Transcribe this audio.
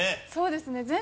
そうですね。